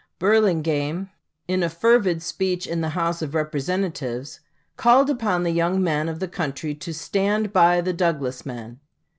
Burlingame, in a fervid speech in the House of Representatives, called upon the young men of the country to stand by the Douglas men.